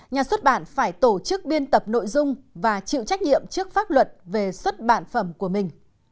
nhà xuất bản phải tổ chức biên tập nội dung và chịu trách nhiệm trước pháp luật về xuất bản phẩm của mình